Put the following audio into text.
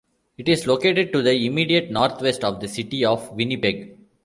It is located to the immediate northwest of the city of Winnipeg.